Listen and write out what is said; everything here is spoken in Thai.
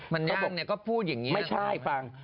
มันยากเนี้ยก็พูดอย่างเงี้ยไม่ใช่ฟัง